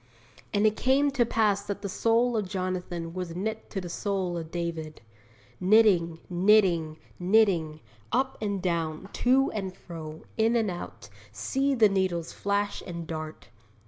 'And it came to pass that the soul of Jonathan was knit to the soul of David.' Knitting, knitting, knitting; up and down, to and fro, in and out, see the needles flash and dart!